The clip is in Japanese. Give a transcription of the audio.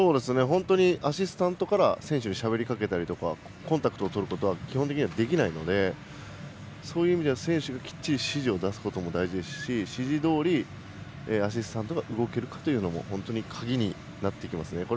アシスタントから選手にしゃべりかけたりコンタクトをとることは基本的にはできないのでそういう意味では選手がきっちり指示することも大事ですし指示どおりアシスタントが動けるかというのも本当に鍵になっていきますね。